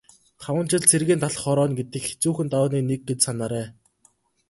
Таван жил цэргийн талх хорооно гэдэг хэцүүхэн давааны нэг гэж санаарай.